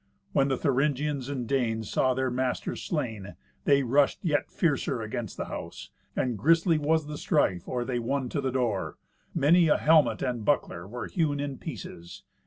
When the Thuringians and Danes saw their masters slain, they rushed yet fiercer against the house, and grisly was the strife or they won to the door. Many a helmet and buckler were hewn in pieces.